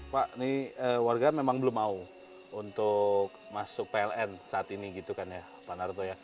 pak ini warga memang belum mau untuk masuk pln saat ini gitu kan ya pak narto ya